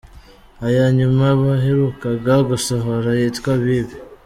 Iya nyuma baherukaga gusohora yitwa “Bibi”.